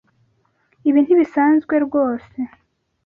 Ibi ntibisanzwe rwose